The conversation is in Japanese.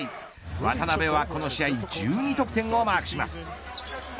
渡邊はこの試合１２得点をマークします。